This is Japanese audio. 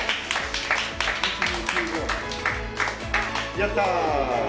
やった！